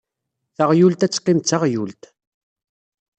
Taɣyult ad teqqim d taɣyult.